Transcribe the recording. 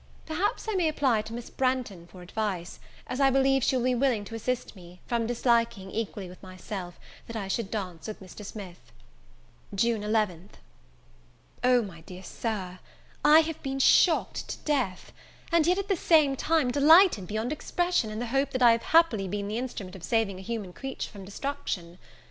Perhaps I may apply to Miss Branghton for advice, as I believe she will be willing to assist me, from disliking, equally with myself, that I should dance with Mr. Smith. June 11th O, my dear Sir! I have been shocked to death; and yet at the same time delighted beyond expression, in the hope that I have happily been the instrument of saving a human creature from destruction.